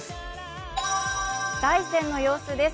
大山の様子です。